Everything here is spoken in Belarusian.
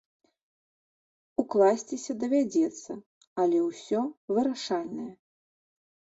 Укласціся давядзецца, але ўсё вырашальнае.